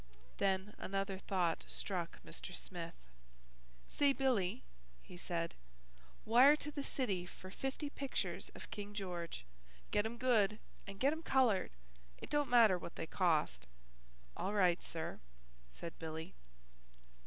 Then another thought struck Mr. Smith. "Say, Billy," he said, "wire to the city for fifty pictures of King George. Get 'em good, and get 'em coloured. It don't matter what they cost." "All right, sir," said Billy.